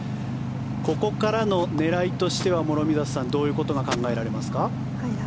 ここからの狙いとしては諸見里さんどういうことが考えられますか。